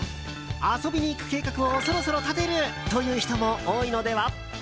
遊びに行く計画をそろそろ立てるという人も多いのでは？